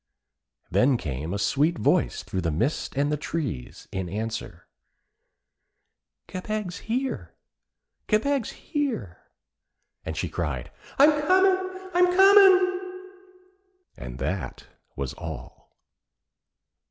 Then came a little sweet voice through the mist and the trees in answer: 'Kebeg's here! Kebeg's here!' And she cried: 'I'm comin'! I'm comin'!' And that was all.